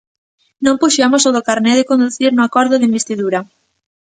Non puxemos o do carné de conducir no acordo de investidura.